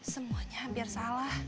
semuanya hampir salah